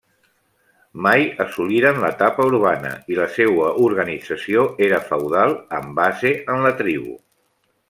Mai assoliren l'etapa urbana i la seua organització era feudal, amb base en la tribu.